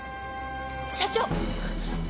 社長！